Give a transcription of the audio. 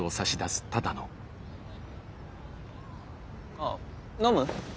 あっ飲む？